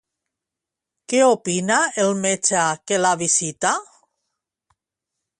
Què opina el metge que la visita?